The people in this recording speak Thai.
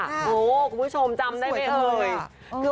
โอ้โหคุณผู้ชมจำได้ไหมเอ่ย